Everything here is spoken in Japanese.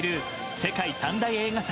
世界三大映画祭